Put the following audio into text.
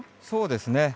そうですね。